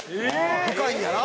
深いんやな？